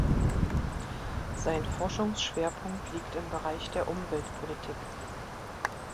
Sein Forschungsschwerpunkt liegt im Bereich der Umweltpolitik.